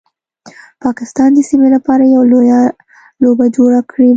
پاکستان د سیمې لپاره یو لویه لوبه جوړه کړیده